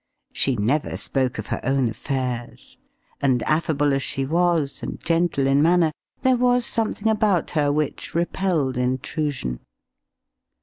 She never spoke of her own affairs, and affable as she was, and gentle in manner, there was something about her which repelled intrusion.